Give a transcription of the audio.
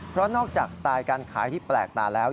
เพราะนอกจากสไตล์การขายที่แปลกตาแล้ว